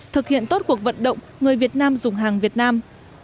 thực hiện tốt cuộc vận động người việt nam dùng hàng việt nam